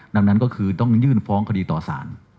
ดังนั้นก็คือต้องยื่นฟ้องคดีต่อสาร